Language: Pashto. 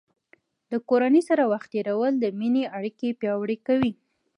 د کورنۍ سره وخت تیرول د مینې اړیکې پیاوړې کوي.